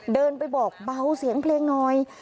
เดินไปบอกเบาเสียงเพลงหน่อย